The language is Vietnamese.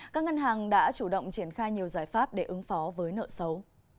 các ngân hàng đã chủ động triển khai nhiều giải pháp để ứng phó với nợ xấu